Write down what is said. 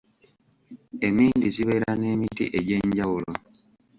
Emmindi zibeera n'emiti egy'enjawulo.